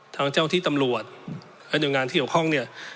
ทางเจ้าที่ตำรวจและโดยงานที่หลักห้อง